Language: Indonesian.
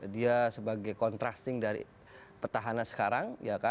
dia sebagai kontrasting dari petahana sekarang